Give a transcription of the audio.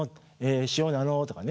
塩なの？」とかね。